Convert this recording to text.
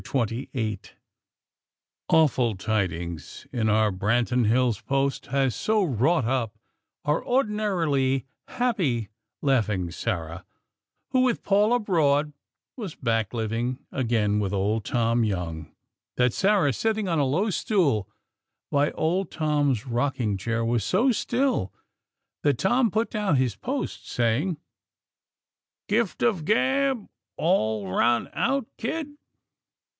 XXVIII Awful tidings in our Branton Hills' "Post," had so wrought up our ordinarily happy, laughing Sarah, who, with Paul abroad, was back, living again with old Tom Young, that Sarah, sitting on a low stool by old Tom's rocking chair was so still that Tom put down his "Post," saying: "Gift of gab all run out, kid?"